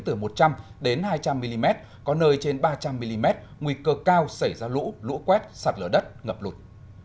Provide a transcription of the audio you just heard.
từ một trăm linh đến hai trăm linh mm có nơi trên ba trăm linh mm nguy cơ cao xảy ra lũ lũ quét sạt lở đất ngập lụt